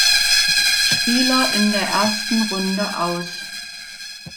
Spieler in der ersten Runde aus.